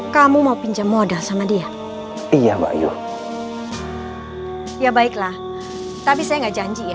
kamu mau pinjam modal sama dia iya mbak yu ya baiklah tapi saya nggak janji ya